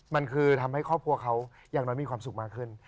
มันคือทำให้ครอบครัวเขาอย่างน้อยมีความสุขมากขึ้น